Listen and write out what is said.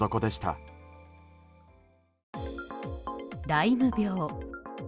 ライム病。